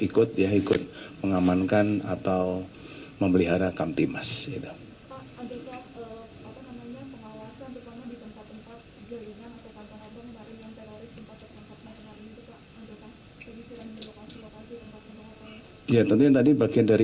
berikut ya ikut mengamankan atau memelihara kamtimas itu ya tentunya tadi bagian dari